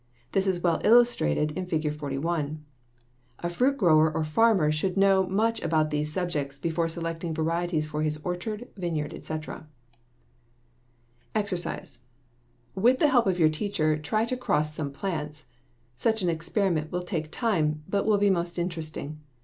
This is well illustrated in Fig. 41. A fruit grower or farmer should know much about these subjects before selecting varieties for his orchard, vineyard, etc. =EXERCISE= With the help of your teacher try to cross some plants. Such an experiment will take time, but will be most interesting.